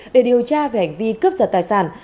để điều tra về hành vi cướp giật tài sản